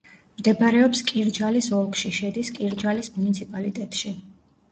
მდებარეობს კირჯალის ოლქში, შედის კირჯალის მუნიციპალიტეტში.